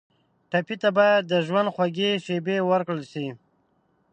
ټپي ته باید د ژوند خوږې شېبې ورکړل شي.